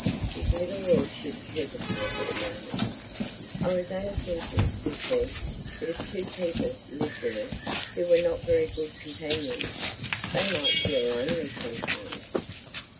His little lordship hesitated a moment. "I was only thinking," he said, "that if two people lived in it who were not very good companions, they might feel lonely sometimes."